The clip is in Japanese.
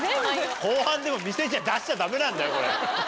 後半でも店じゃ出しちゃダメなんだよこれ。